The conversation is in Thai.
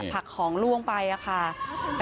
พนักงานในร้าน